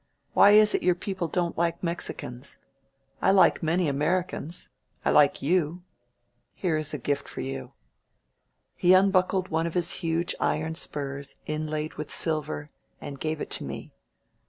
Why is it your people don't like Mexicans ? I like many Amer icans. I like you. Here is a gift for you." He un buckled one of his huge iron spurs, inlaid with silver, and gave it to me.